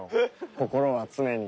心は常に。